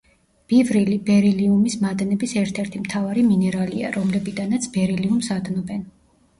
ბივრილი ბერილიუმის მადნების ერთ-ერთი მთავარი მინერალია, რომლებიდანაც ბერილიუმს ადნობენ.